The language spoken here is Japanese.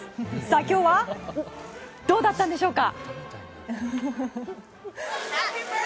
今日はどうだったんでしょうか？